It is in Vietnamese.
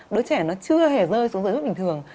đứa trẻ nó chưa hề rơi xuống giới hạn bình thường